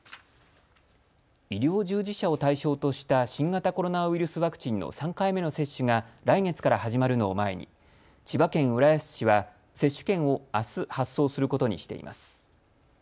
医療従事者を対象とした新型コロナウイルスワクチンの３回目の接種が来月から始まるのを前に千葉県浦安市は接種券をあす発送することにしています。